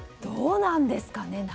どうなんですかね。